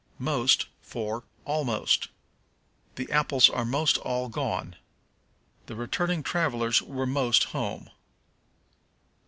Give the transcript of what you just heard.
Most for Almost. "The apples are most all gone." "The returning travelers were most home."